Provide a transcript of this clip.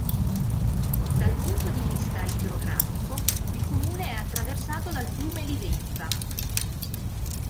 Dal punto di vista idrografico il comune è attraversato dal fiume Livenza.